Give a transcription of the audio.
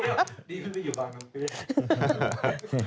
ทีที่พี่อยู่บางน้ำพื้น